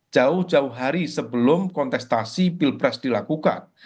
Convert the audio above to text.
jauh jauh hari sebelum kontestasi pilpres dilakukan